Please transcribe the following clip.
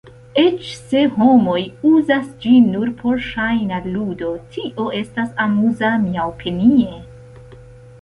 Eĉ se homoj uzus ĝin nur por ŝajna ludo, tio estus amuza, miaopinie.